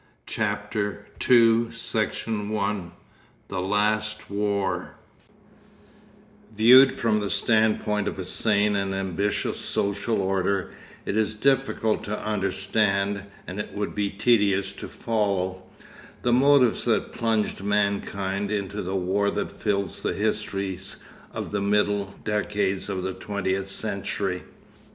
CHAPTER THE SECOND THE LAST WAR Section I Viewed from the standpoint of a sane and ambitious social order, it is difficult to understand, and it would be tedious to follow, the motives that plunged mankind into the war that fills the histories of the middle decades of the twentieth century.